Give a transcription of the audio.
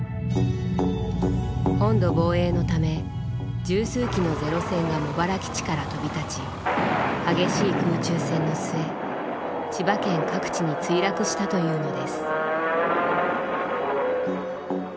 本土防衛のため十数機のゼロ戦が茂原基地から飛び立ち激しい空中戦の末千葉県各地に墜落したというのです。